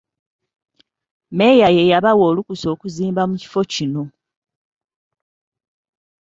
Mmeeya ye yabawa olukusa okuzimba mu kifo kino.